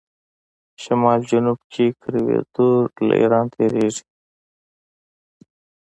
شمال جنوب کوریډور له ایران تیریږي.